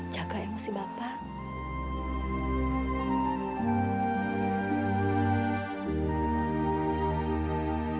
jaga emosi bapak